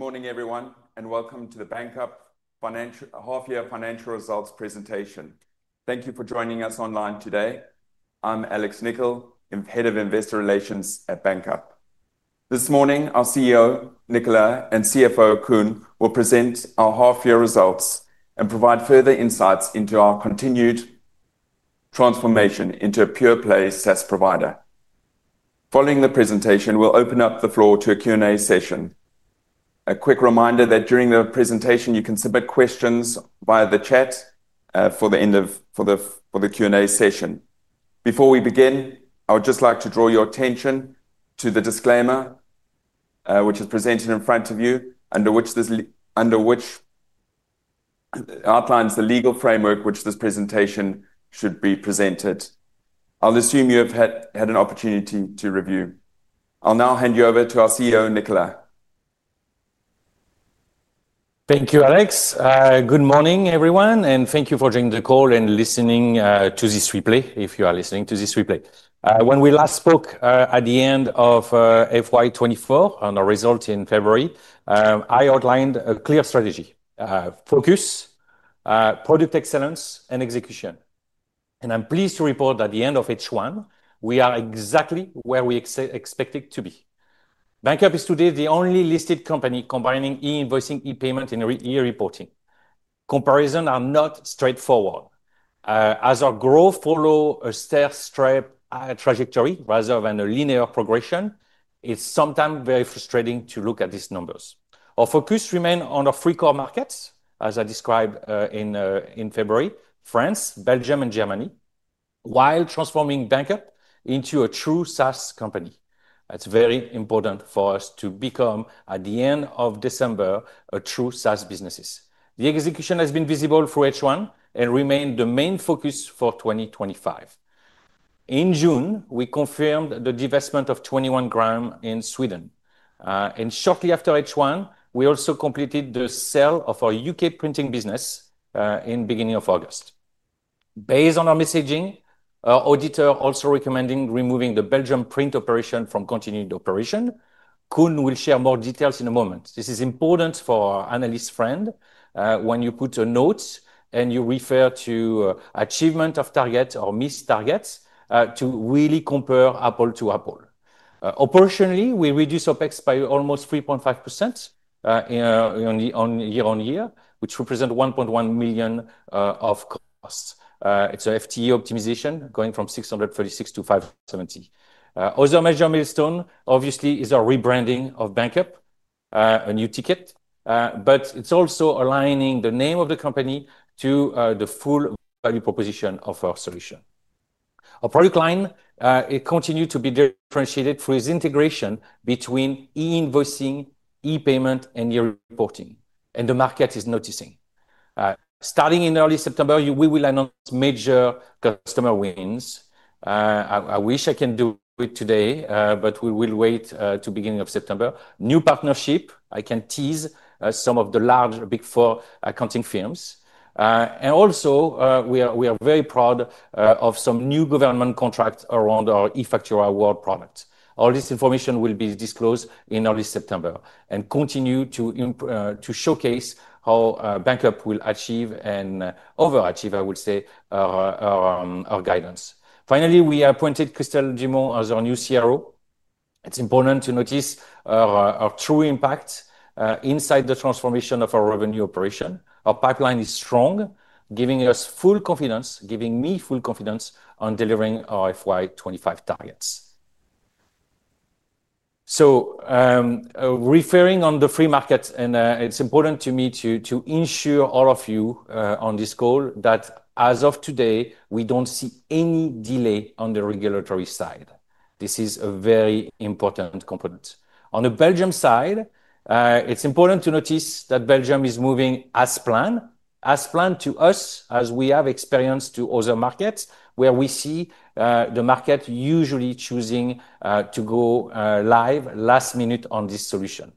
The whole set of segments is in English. Good morning, everyone, and welcome to the Banqup Financial Results Presentation. Thank you for joining us online today. I'm Alex Nicoll, Head of Investor Relations at Banqup. This morning, our CEO, Nicolai, and CFO Koen will present our half-year results and provide further insights into our continued transformation into a pure-play SaaS provider. Following the presentation, we'll open up the floor to a Q&A session. A quick reminder that during the presentation, you can submit questions via the chat for the end of the Q&A session. Before we begin, I would just like to draw your attention to the disclaimer, which is presented in front of you, under which this outlines the legal framework which this presentation should be presented. I'll assume you have had an opportunity to review. I'll now hand you over to our CEO, Nicolai. Thank you, Alex. Good morning, everyone, and thank you for joining the call and listening to this replay, if you are listening to this replay. When we last spoke at the end of FY2024, on our results in February, I outlined a clear strategy: focus, product excellence, and execution. I'm pleased to report that at the end of H1, we are exactly where we expected to be. Banqup is today the only listed company combining e-invoicing, e-payments, and e-reporting. Comparisons are not straightforward. As our growth follows a stair-step trajectory rather than a linear progression, it's sometimes very frustrating to look at these numbers. Our focus remains on our three core markets, as I described in February: France, Belgium, and Germany, while transforming Banqup into a true SaaS company. That's very important for us to become, at the end of December, a true SaaS business. The execution has been visible through H1 and remains the main focus for 2025. In June, we confirmed the divestment of 21 g in Sweden. Shortly after H1, we also completed the sale of our UK print business in the beginning of August. Based on our messaging, our auditor is also recommending removing the Belgium print operation from continued operation. Koen will share more details in a moment. This is important for our analyst friend when you put notes and you refer to achievement of targets or missed targets to really compare apple to apple. Operationally, we reduced OpEx by almost 3.5% year-on-year, which represents 1.1 million of costs. It's an FTE optimization going from 646 to 570. Our other major milestone, obviously, is our rebranding of Banqup, a new ticket, but it's also aligning the name of the company to the full value proposition of our solution. Our product line continues to be differentiated through its integration between e-invoicing, e-payments, and e-reporting, and the market is noticing. Starting in early September, we will announce major customer wins. I wish I could do it today, but we will wait until the beginning of September. New partnerships, I can tease some of the large Big Four accounting firms. We are very proud of some new government contracts around our eFaktura World product. All this information will be disclosed in early September and continues to showcase how Banqup will achieve and overachieve, I would say, our guidance. Finally, we appointed Christelle Dumont as our new Chief Revenue Officer. It's important to notice our true impact inside the transformation of our revenue operation. Our pipeline is strong, giving us full confidence, giving me full confidence on delivering our FY25 targets. Referring on the free market, it's important to me to ensure all of you on this call that, as of today, we don't see any delay on the regulatory side. This is a very important component. On the Belgium side, it's important to notice that Belgium is moving as planned, as planned to us, as we have experience to other markets where we see the market usually choosing to go live last minute on this solution.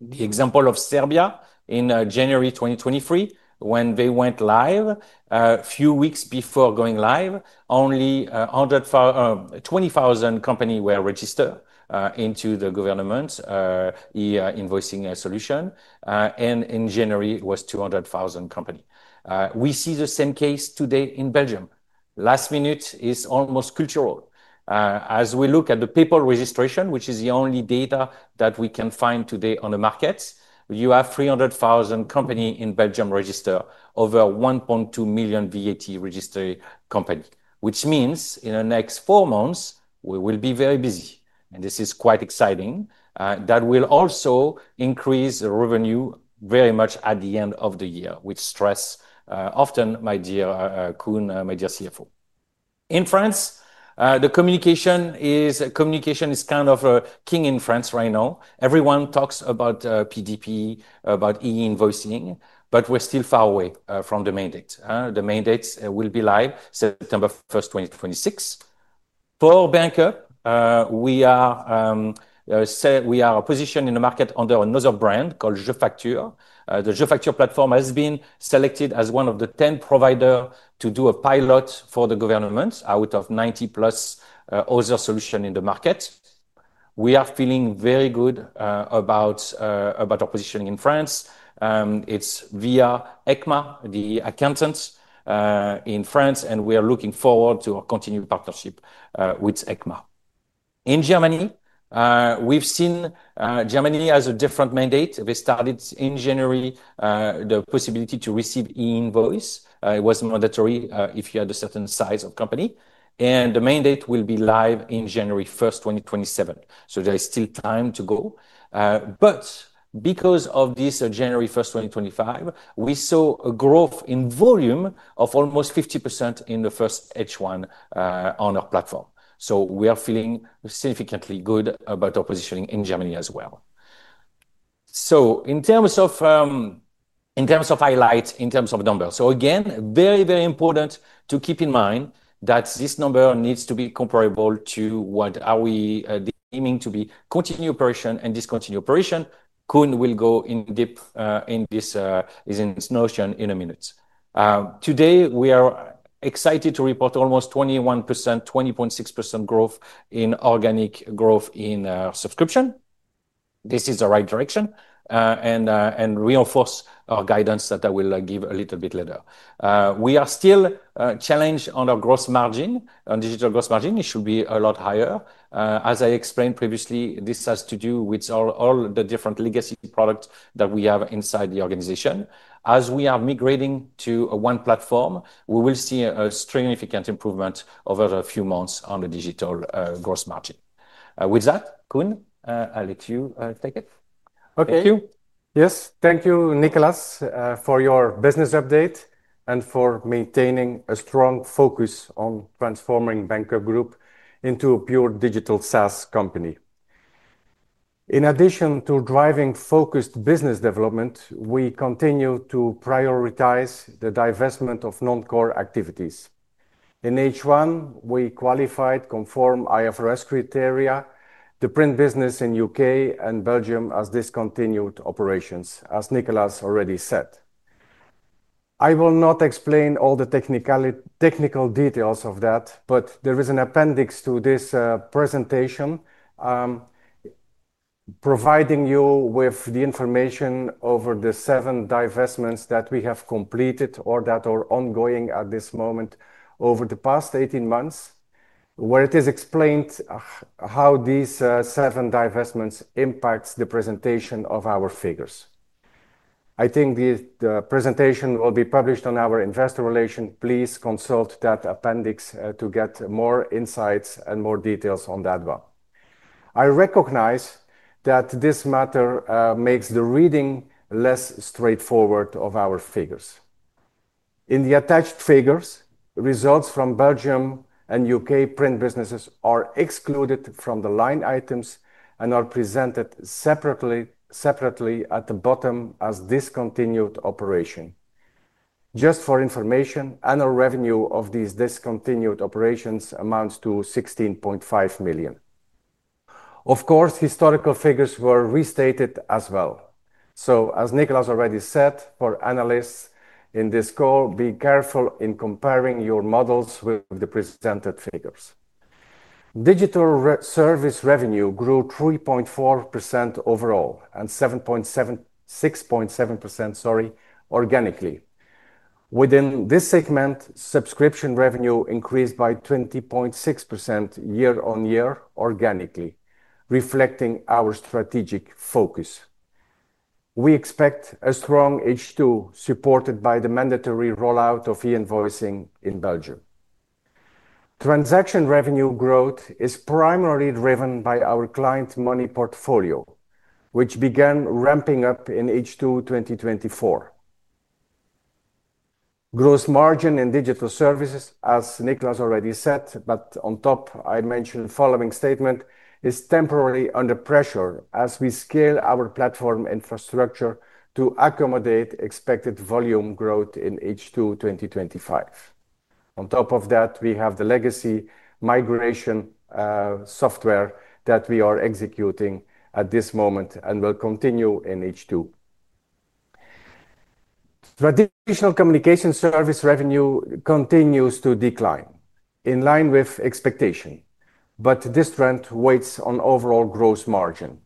The example of Serbia in January 2023, when they went live, a few weeks before going live, only 20,000 companies were registered into the government e-invoicing solution, and in January, it was 200,000 companies. We see the same case today in Belgium. Last minute is almost cultural. As we look at the PayPal registration, which is the only data that we can find today on the market, you have 300,000 companies in Belgium registered, over 1.2 million VAT-registered companies, which means in the next four months, we will be very busy. This is quite exciting. That will also increase the revenue very much at the end of the year, which stresses often my dear Koen, my dear CFO. In France, the communication is kind of king in France right now. Everyone talks about PDP, about e-invoicing, but we're still far away from the mandate. The mandate will be live September 1, 2026. For Banqup, we are positioned in the market under another brand called Je Facture. The Je Facture platform has been selected as one of the 10 providers to do a pilot for the government out of 90 plus other solutions in the market. We are feeling very good about our positioning in France. It's via ECMA, the accountants in France, and we are looking forward to a continued partnership with ECMA. In Germany, we've seen Germany has a different mandate. They started in January the possibility to receive e-invoice. It was mandatory if you had a certain size of company, and the mandate will be live on January 1, 2027. There's still time to go. Because of this January 1, 2025, we saw a growth in volume of almost 50% in the first H1 on our platform. We are feeling significantly good about our positioning in Germany as well. In terms of highlights, in terms of numbers, it is very, very important to keep in mind that this number needs to be comparable to what we are aiming to be: continued operation and discontinued operation. Koen will go in deep in this notion in a minute. Today, we are excited to report almost 21%, 20.6% growth in organic growth in subscription. This is the right direction and reinforces our guidance that I will give a little bit later. We are still challenged on our gross margin, on digital gross margin. It should be a lot higher. As I explained previously, this has to do with all the different legacy products that we have inside the organization. As we are migrating to one platform, we will see a significant improvement over the few months on the digital gross margin. With that, Koen, I'll let you take it. Okay. Thank you. Yes, thank you, Nicolas, for your business update and for maintaining a strong focus on transforming Banqup Group into a pure digital SaaS company. In addition to driving focused business development, we continue to prioritize the divestment of non-core activities. In H1, we qualified, conformed IFRS criteria to print business in the UK and Belgium as discontinued operations, as Nicolai already said. I will not explain all the technical details of that, but there is an appendix to this presentation providing you with the information over the seven divestments that we have completed or that are ongoing at this moment over the past 18 months, where it is explained how these seven divestments impact the presentation of our figures. I think the presentation will be published on our investor relations. Please consult that appendix to get more insights and more details on that one. I recognize that this matter makes the reading less straightforward of our figures. In the attached figures, results from Belgium and UK print businesses are excluded from the line items and are presented separately at the bottom as discontinued operation. Just for information, annual revenue of these discontinued operations amounts to 16.5 million. Of course, historical figures were restated as well. As Nicolai already said, for analysts in this call, be careful in comparing your models with the presented figures. Digital service revenue grew 3.4% overall and 6.7% organically. Within this segment, subscription revenue increased by 20.6% year-on-year organically, reflecting our strategic focus. We expect a strong H2 supported by the mandatory rollout of e-invoicing in Belgium. Transaction revenue growth is primarily driven by our client money portfolio, which began ramping up in H2 2024. Gross margin in digital services, as Nicolai already said, but on top, I mention the following statement, is temporarily under pressure as we scale our platform infrastructure to accommodate expected volume growth in H2 2025. On top of that, we have the legacy migration software that we are executing at this moment and will continue in H2. Traditional communication service revenue continues to decline in line with expectation, but this trend weighs on overall gross margin.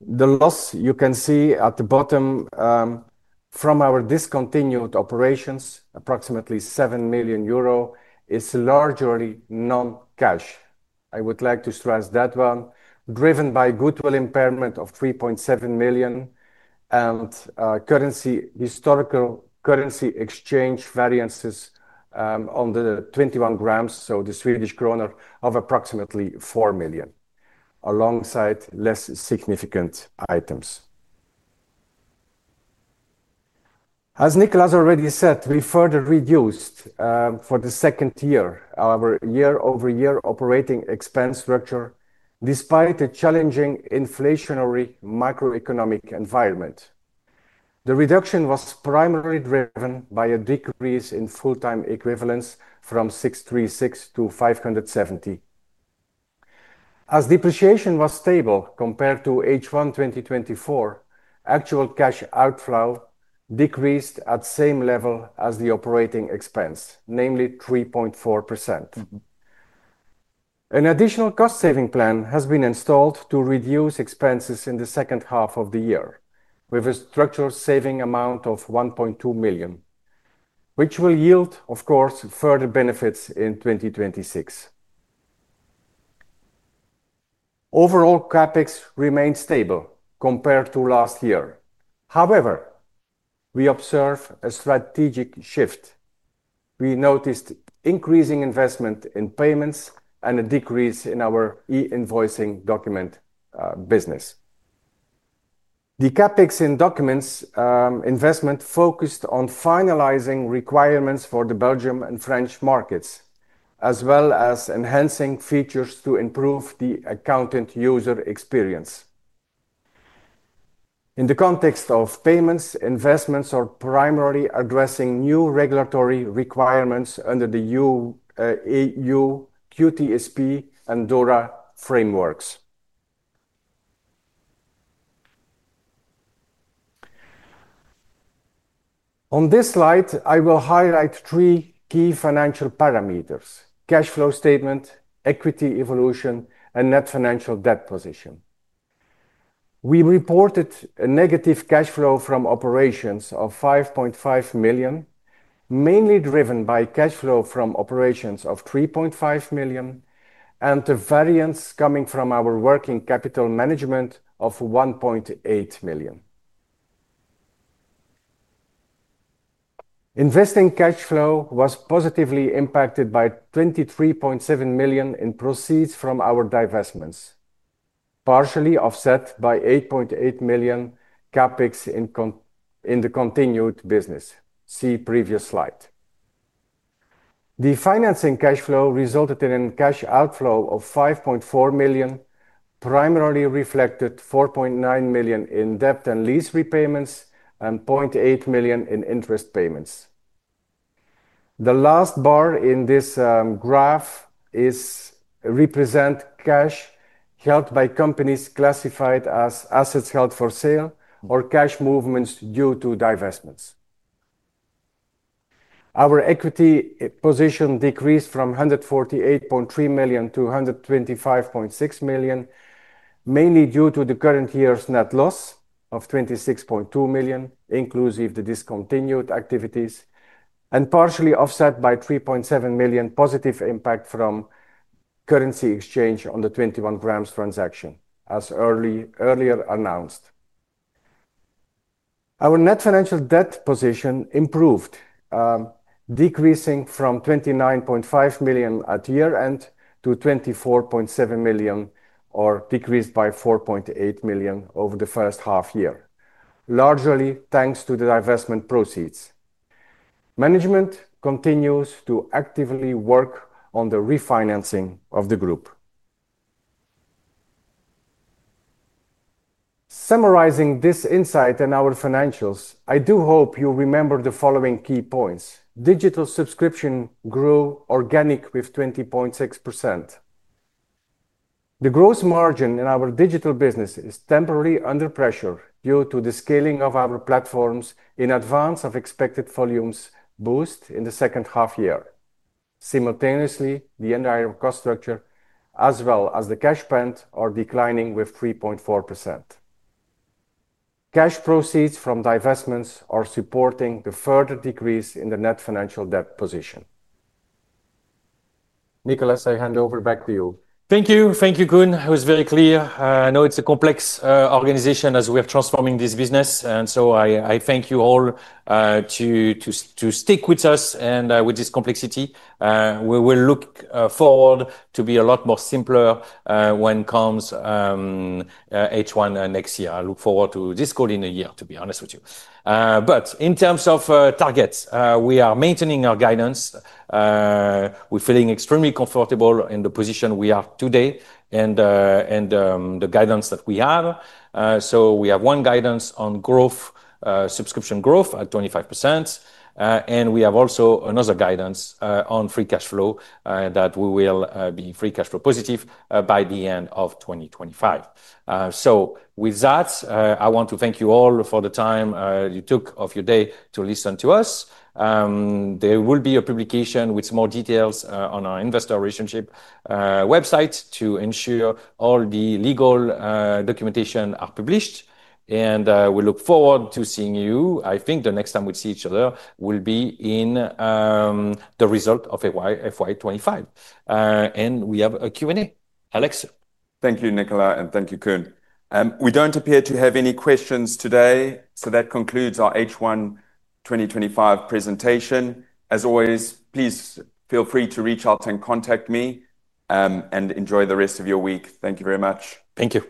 The loss you can see at the bottom from our discontinued operations, approximately 7 million euro, is largely non-cash. I would like to stress that one, driven by goodwill impairment of $3.7 million and historical currency exchange variances on the 21 g, so the Swedish krona, of approximately $4 million, alongside less significant items. As Nicolas already said, we further reduced for the second year our year-over-year operating expense structure, despite a challenging inflationary macroeconomic environment. The reduction was primarily driven by a decrease in full-time equivalents from 636-570. As depreciation was stable compared to H1 2024, actual cash outflow decreased at the same level as the operating expense, namely 3.4%. An additional cost-saving plan has been installed to reduce expenses in the second half of the year with a structural saving amount of $1.2 million, which will yield, of course, further benefits in 2026. Overall, CAPEX remains stable compared to last year. However, we observe a strategic shift. We noticed increasing investment in payments and a decrease in our e-invoicing document business. The CAPEX in documents investment focused on finalizing requirements for the Belgium and French markets, as well as enhancing features to improve the accountant user experience. In the context of payments, investments are primarily addressing new regulatory requirements under the EU QTSP and DORA frameworks. On this slide, I will highlight three key financial parameters: cash flow statement, equity evolution, and net financial debt position. We reported a negative cash flow from operations of $5.5 million, mainly driven by cash flow from operations of $3.5 million and the variance coming from our working capital management of $1.8 million. Investing cash flow was positively impacted by $23.7 million in proceeds from our divestments, partially offset by $8.8 million CAPEX in the continued business. See previous slide. The financing cash flow resulted in a cash outflow of $5.4 million, primarily reflected $4.9 million in debt and lease repayments and $0.8 million in interest payments. The last bar in this graph represents cash held by companies classified as assets held for sale or cash movements due to divestments. Our equity position decreased from $148.3 million to $125.6 million, mainly due to the current year's net loss of $26.2 million, inclusive the discontinued activities, and partially offset by $3.7 million positive impact from currency exchange on the 21 g transaction, as earlier announced. Our net financial debt position improved, decreasing from 29.5 million at year-end to 24.7 million, or decreased by 4.8 million over the first half year, largely thanks to the divestment proceeds. Management continues to actively work on the refinancing of the. Summarizing this insight and our financials, I do hope you remember the following key points: digital subscription grew organically with 20.6%. The gross margin in our digital business is temporarily under pressure due to the scaling of our platforms in advance of expected volumes boost in the second half year. Simultaneously, the end-to-end cost structure, as well as the cash spend, are declining with 3.4%. Cash proceeds from divestments are supporting the further decrease in the net financial debt position. Nicolai, I hand over back to you. Thank you. Thank you, Koen. It was very clear. I know it's a complex organization as we are transforming this business, and I thank you all to stick with us and with this complexity. We will look forward to be a lot more simple when it comes to H1 next year. I look forward to this call in a year, to be honest with you. In terms of targets, we are maintaining our guidance. We're feeling extremely comfortable in the position we are today and the guidance that we have. We have one guidance on growth, subscription growth at 25%, and we have also another guidance on free cash flow that we will be free cash flow positive by the end of 2025. I want to thank you all for the time you took of your day to listen to us. There will be a publication with more details on our investor relations website to ensure all the legal documentation is published, and we look forward to seeing you. I think the next time we see each other will be in the result of FY25, and we have a Q&A. Alex? Thank you, Nicolai, and thank you, Koen. We don't appear to have any questions today, so that concludes our H1 2025 presentation. As always, please feel free to reach out and contact me, and enjoy the rest of your week. Thank you very much. Thank you.